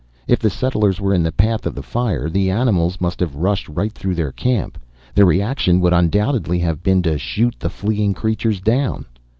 If the settlers were in the path of the fire, the animals must have rushed right through their camp. Their reaction would undoubtedly have been to shoot the fleeing creatures down.